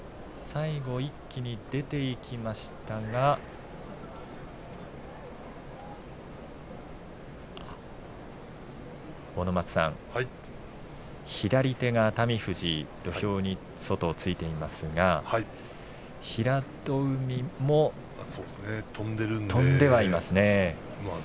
最後、一気に出ていきましたが阿武松さん左手が熱海富士土俵の外に着いていますが平戸海も飛んではいますね。